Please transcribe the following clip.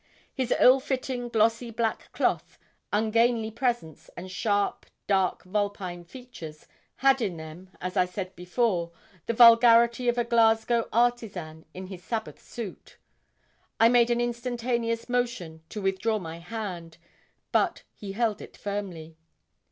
His ill fitting, glossy black cloth, ungainly presence, and sharp, dark, vulpine features had in them, as I said before, the vulgarity of a Glasgow artisan in his Sabbath suit. I made an instantaneous motion to withdraw my hand, but he held it firmly.